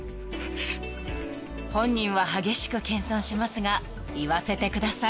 ［本人は激しく謙遜しますが言わせてください］